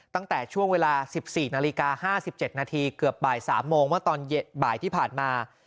ตั้งแต่ช่วงเวลา๑๔นาฬิกา๕๗นาทีเกือบบ่าย๓โมงเมื่อตอนบ่ายที่ผ่านมา